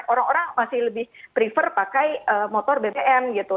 orang orang masih lebih prefer pakai motor bbm gitu